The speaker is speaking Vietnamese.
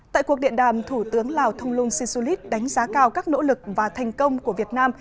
tại cuộc điện đàm thủ tướng lào thông lung sisulit đánh giá cao các nỗ lực và thành công của việt nam